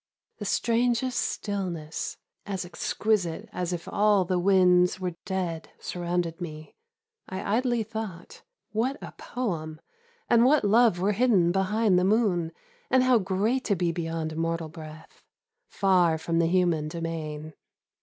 The strangest stillness. As exquisite as if all the winds Were dead, surrounded me ; I idly thought. What a poem, and what love were hidden behind The moon, and how great to be beyond mortal breath, Far from the human domain.